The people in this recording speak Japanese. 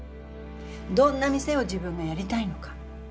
どんな店を自分がやりたいのか。